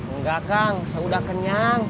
enggak kang saya udah kenyang